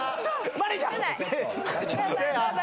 マネージャー。